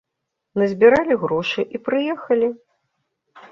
Назбіралі грошы і прыехалі.